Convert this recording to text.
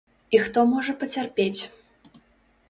І хто можа пацярпець.